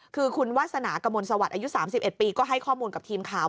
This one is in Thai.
คือคุณวาสนากมลสวัสดิ์อายุ๓๑ปีก็ให้ข้อมูลกับทีมข่าว